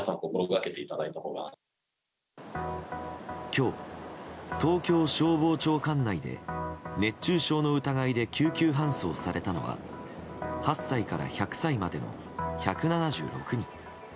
今日、東京消防庁管内で熱中症の疑いで救急搬送されたのは８歳から１００歳までの１７６人。